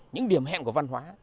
những điểm hẹn của văn hóa